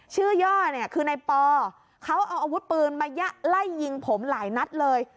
ย่อเนี่ยคือในปอเขาเอาอาวุธปืนมาไล่ยิงผมหลายนัดเลย